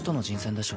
でしょ？